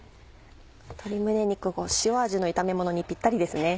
鶏胸肉塩味の炒め物にピッタリですね。